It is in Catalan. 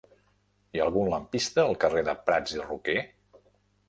Hi ha algun lampista al carrer de Prats i Roquer?